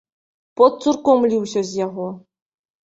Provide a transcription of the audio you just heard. Пот цурком ліўся з яго.